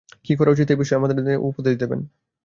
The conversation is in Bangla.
কি করা উচিত, এ বিষয়ে আমায় উপদেশ দেবেন।